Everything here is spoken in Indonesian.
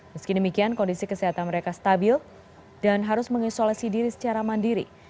meski demikian kondisi kesehatan mereka stabil dan harus mengisolasi diri secara mandiri